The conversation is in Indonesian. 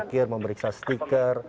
kir memeriksa stiker